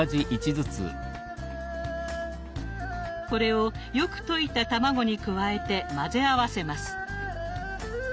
これをよく溶いた卵に加えて混ぜ合わせます。